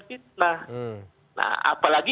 fitnah nah apalagi